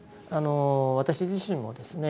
私自身もですね